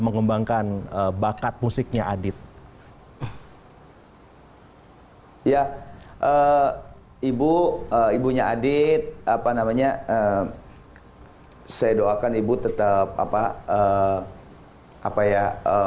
mengembangkan bakat musiknya adit ya ibu ibunya adit apa namanya saya doakan ibu tetap apa apa ya